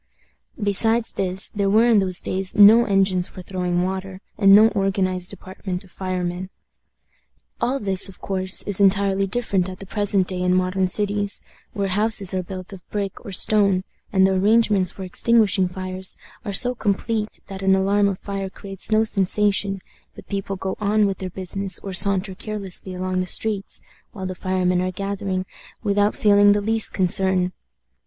Besides this, there were in those days no engines for throwing water, and no organized department of firemen. All this, of course, is entirely different at the present day in modern cities, where houses are built of brick or stone, and the arrangements for extinguishing fires are so complete that an alarm of fire creates no sensation, but people go on with their business or saunter carelessly along the streets, while the firemen are gathering, without feeling the least concern.